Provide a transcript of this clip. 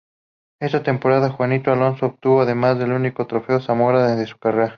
Esa temporada Juanito Alonso obtuvo además el único Trofeo Zamora de su carrera.